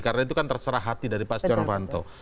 karena itu kan terserah hati dari pak setia novanto